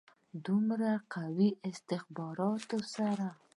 دومره قوي استخباراتو سره.